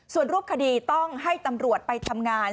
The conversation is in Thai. ส่วนรูปคดีต้องให้ตำรวจไปทำงาน